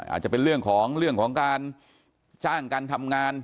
อาจจะเป็นเรื่องของเรื่องของการจ้างการทำงาน